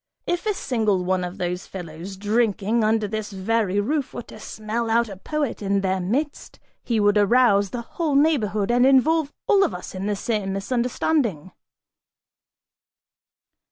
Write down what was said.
If a single one of those fellows drinking under this very roof were to smell out a poet in their midst, he would arouse the whole neighborhood and involve all of us in the same misunderstanding!"